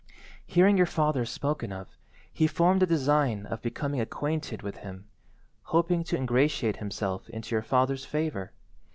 "Hearing your father spoken of, he formed the design of becoming acquainted with him, hoping to ingratiate himself into your father's favour.